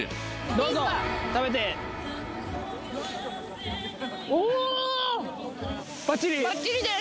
どうぞ食べてバッチリです